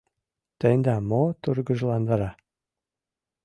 Тендам мо тургыжландара?